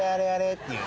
っていう